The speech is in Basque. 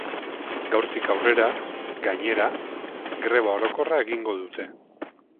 Gaurtik aurrera, gainera, greba orokorra egingo dute.